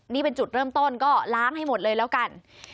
นี่เป็นจุดเริ่มต้นก็ล้างให้หมดเลยแล้วกัน